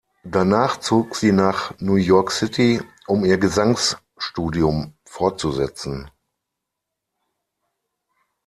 Danach zog sie nach New York City, um ihr Gesangsstudium fortzusetzen.